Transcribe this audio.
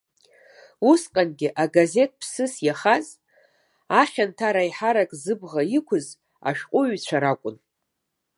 Усҟангьы агазеҭ ԥсыс иахаз, ахьанҭара аиҳарак зыбӷа иқәыз ашәҟәыҩҩцәа ракәын.